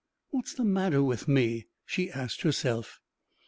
"What's the matter with me?" she asked herself.